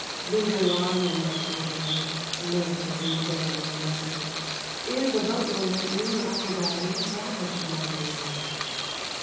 Linger long on thy olden Note as in days remembered; Ere the Boatman that knew Aphrodite Ravished my vision.